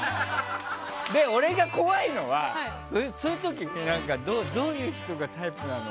で、俺が怖いのはそういう時ってどういう人がタイプなの？